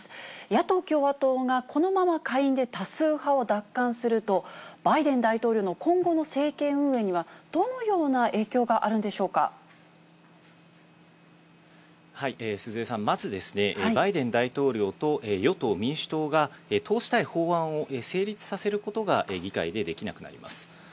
野党・共和党がこのまま下院で多数派を奪還すると、バイデン大統領の今後の政権運営にはどのような影響があるんでし鈴江さん、まずバイデン大統領と与党・民主党が通したい法案を成立させることが議会でできなくなります。